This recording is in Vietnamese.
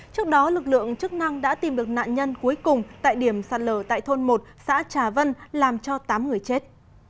trước đó lực lượng chức năng đã tìm được nạn nhân cuối cùng tại điểm sạt lở tại thôn một xã trà vân làm cho tám người chết